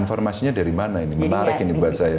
informasinya dari mana ini menarik ini buat saya